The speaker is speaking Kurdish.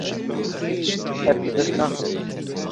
Ez bi dest naxim.